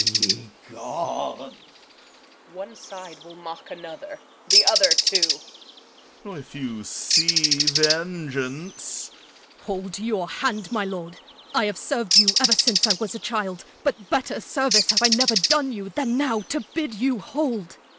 O ye gods! Reg. One side will mock another. Th' other too! Corn. If you see vengeance 1. Serv. Hold your hand, my lord! I have serv'd you ever since I was a child; But better service have I never done you Than now to bid you hold.